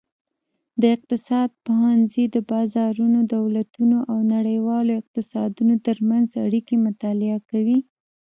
د اقتصاد پوهنځی د بازارونو، دولتونو او نړیوالو اقتصادونو ترمنځ اړیکې مطالعه کوي.